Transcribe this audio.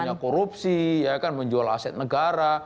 bukan hanya korupsi menjual aset negara